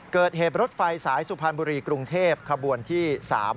เกิดเหตุรถไฟสายสุพรรณบุรีกรุงเทพขบวนที่๓